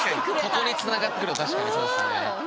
ここにつながってると確かにそうっすね。